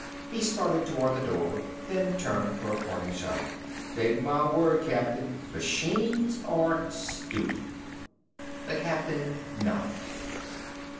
He started toward the door, then turned for a parting shot. "Take my word, Captain. Machines are stupid." The captain nodded.